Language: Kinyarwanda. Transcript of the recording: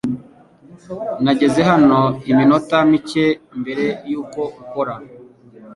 Nageze hano iminota mike mbere yuko ukora.